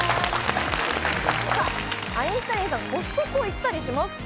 アインシュタインさん、コストコ行ったりしますか？